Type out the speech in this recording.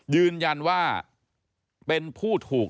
ยืนยันว่าเป็นผู้ถูก